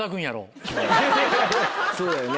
そうだよね